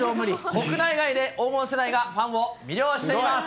国内外で黄金世代がファンを魅了しています。